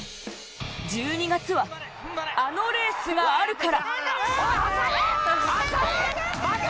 １２月はあのレースがあるから。